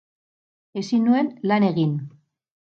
Ezin nuen lan egin.